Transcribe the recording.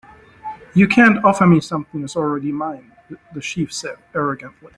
"You can't offer me something that is already mine," the chief said, arrogantly.